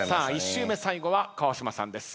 １周目最後は川島さんです。